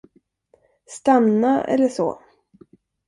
Stanna, eller så.